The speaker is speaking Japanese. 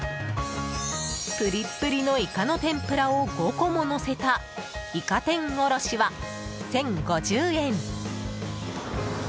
ぷりっぷりのイカの天ぷらを５個ものせたいか天おろしは１０５０円。